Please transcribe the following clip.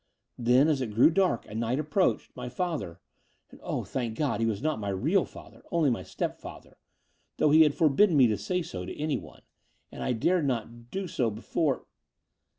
Then, as it grew dark and night approached, my father — and, oh, thank God, he was not my recU father, only my stepfather, though he had for bidden me to say so to any one, and I dared not do so before